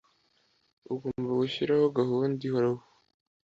Ugomba gushyiraho gahunda ihoraho